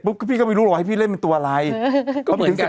เป็นการกระตุ้นการไหลเวียนของเลือด